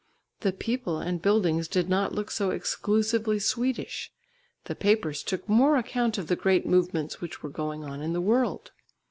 The people and buildings did not look so exclusively Swedish, the papers took more account of the great movements which were going on in the world.